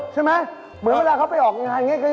ใช่ไหมเหมือนกับเขาไปออกงานยังไง